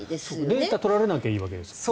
データを取られなきゃいいわけですから。